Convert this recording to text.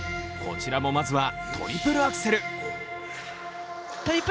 こちらも、まずはトリプルアクセル